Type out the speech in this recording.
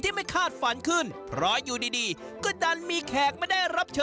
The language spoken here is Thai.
แต่ก็ดัดมาเจอ